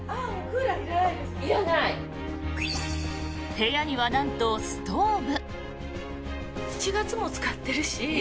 部屋にはなんとストーブ。